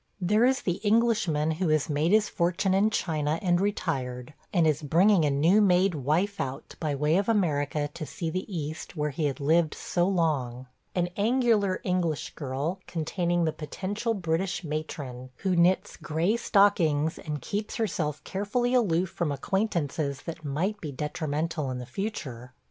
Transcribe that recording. There is the Englishman who has made his fortune in China and retired, and is bringing a new made wife out, by way of America, to see the East, where he had lived so long – an angular English girl, containing the potential British matron, who knits gray stockings and keeps herself carefully aloof from acquaintances that might be detrimental in the future.